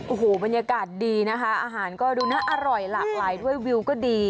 โอ้โหบรรยากาศดีนะคะอาหารก็ดูน่าอร่อยหลากหลายด้วยวิวก็ดี